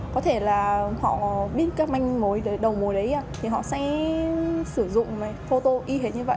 có thể là họ biết các manh mồi đầu mồi đấy thì họ sẽ sử dụng phô tô y hệt như vậy